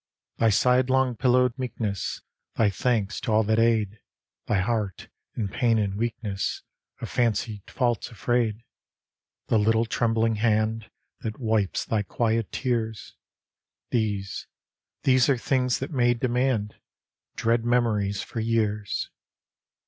Thy sidelong pillowed meekness, Thy thanks to all that aid. Thy heart, in pain and weakness, Of fancied faults afraid ; The little trembling hand That wnpes thy quiet tears. These, these are things that may demand Dread memories for years.